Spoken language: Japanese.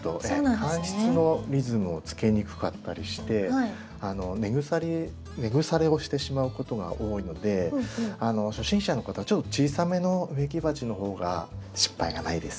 乾湿のリズムをつけにくかったりして根腐れをしてしまうことが多いので初心者の方はちょっと小さめの植木鉢の方が失敗がないです。